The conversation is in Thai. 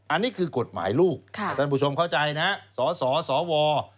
อันนี้คือกฎหมายลูกท่านผู้ชมเข้าใจนะฮะสสสว